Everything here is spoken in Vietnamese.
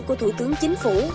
của thủ tướng chính phủ